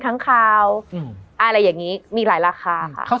มันทำให้ชีวิตผู้มันไปไม่รอด